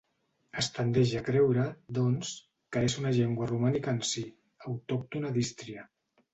Es tendeix a creure, doncs, que és una llengua romànica en si, autòctona d'Ístria.